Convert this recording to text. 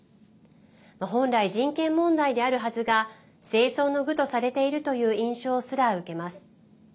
本来、人権問題であるはずが政争の具とされているという印象すら受けます。